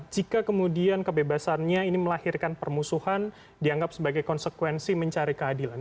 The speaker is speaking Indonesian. jika kemudian kebebasannya ini melahirkan permusuhan dianggap sebagai konsekuensi mencari keadilan